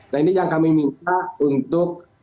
nah ini yang kami minta untuk